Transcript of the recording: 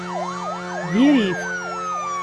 Diri-t!